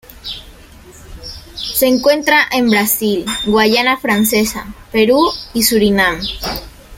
Se encuentra en Brasil, Guayana Francesa, Perú y Surinam.